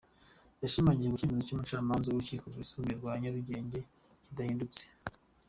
Yashimangiye ko icyemezo cy’umucamanza mu rukiko rwisumbuye rwa Nyarugenge kidahindutse.